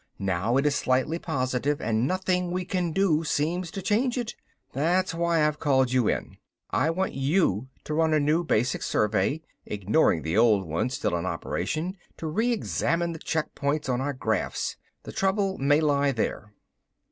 Now it is slightly positive and nothing we can do seems to change it. That's why I've called you in. I want you to run a new basic survey, ignoring the old one still in operation, to re examine the check points on our graphs. The trouble may lie there."